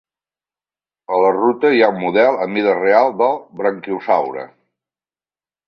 A la ruta hi ha un model a mida real del braquiosaure.